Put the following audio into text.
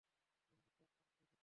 আমরা তো আর পর্বতে উঠছিনা।